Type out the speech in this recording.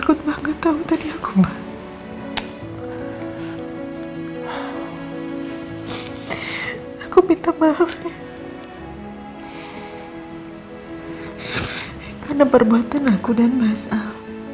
karena perbuatan aku dan mas al